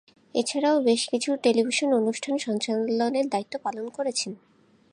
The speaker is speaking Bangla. এছাড়াও বেশ কিছু টেলিভিশন অনুষ্ঠান সঞ্চালনের দায়িত্ব পালন করেছেন।